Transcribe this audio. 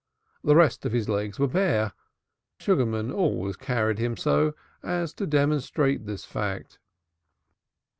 The rest of his legs was bare. Sugarman always carried him so as to demonstrate this fact.